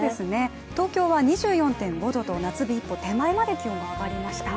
東京は２４．５度と夏日一歩手前まで気温が上がりました。